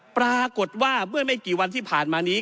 ปรากฏว่าเมื่อไม่กี่วันที่ผ่านมานี้